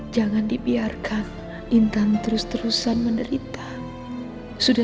jangan dibiarkan intan terus terusan menderita sudah